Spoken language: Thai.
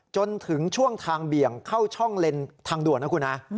จนถึงช่วงทางเบี่ยงเข้าช่องเลนทางด่วนนะคุณฮะ